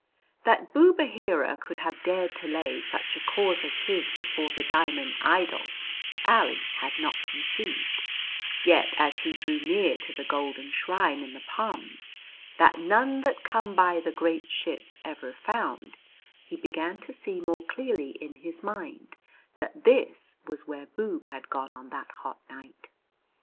That Boob Aheera could have dared to lay such a cause as his before the Diamond Idol Ali had not conceived, yet as he drew near to the golden shrine in the palms, that none that come by the great ships ever found, he began to see more clearly in his mind that this was where Boob had gone on that hot night.